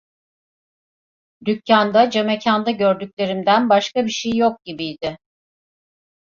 Dükkanda camekanda gördüklerimden başka bir şey yok gibiydi.